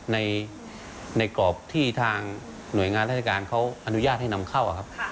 ในกรอบที่ทางหน่วยงานราชการเขาอนุญาตให้นำเข้าครับ